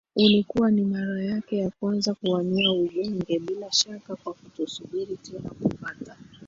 ulikuwa ni mara yake ya kwanza kuwania ubunge bila shaka kwa kutosubiri tena kupata